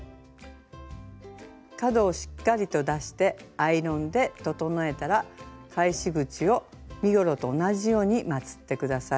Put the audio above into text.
角をしっかりと出してアイロンで整えたら返し口を身ごろと同じようにまつって下さい。